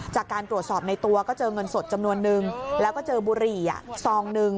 จากการตรวจสอบในตัวก็เจอเงินสดจำนวนนึงแล้วก็เจอบุหรี่ซองหนึ่ง